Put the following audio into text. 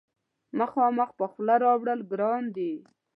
مخامخ په خوله راوړل ګران دي.